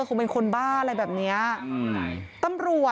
ก็บอกแล้วผมตายบ้างนะ